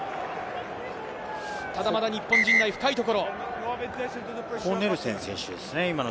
ただ、まだ日本陣内、深い所。